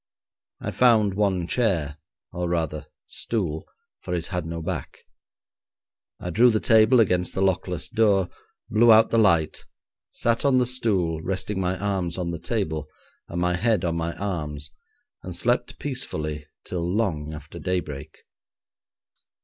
I found one chair, or, rather, stool, for it had no back. I drew the table against the lockless door, blew out the light, sat on the stool, resting my arms on the table, and my head on my arms, and slept peacefully till long after daybreak.